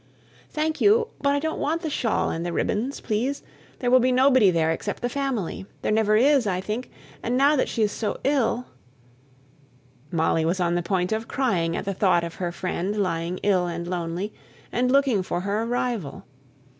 "Thank you. But I don't want the shawl and the ribbons, please: there will be nobody there except the family. There never is, I think; and now that she is so ill" Molly was on the point of crying at the thought of her friend lying ill and lonely, and looking for her arrival.